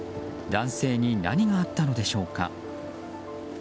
男性に何があったのでしょうか。